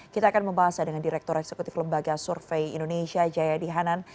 kita akan membahasnya dengan direktur eksekutif lembaga survei indonesia jayadi hanan